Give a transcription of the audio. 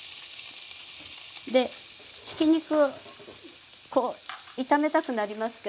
でひき肉こう炒めたくなりますけど。